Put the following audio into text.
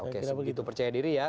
begitu percaya diri ya